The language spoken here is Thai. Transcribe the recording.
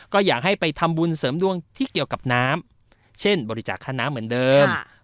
ก็อยากให้ไปทำบุญเสริมดวงที่เกี่ยวกับน้ำเช่นบริจาคค่าน้ำเหมือนเดิม